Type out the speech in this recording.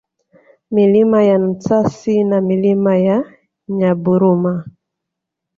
Milima ya Nsasi na Milima ya Nyaburuma